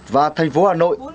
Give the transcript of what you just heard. và thành phố hà nội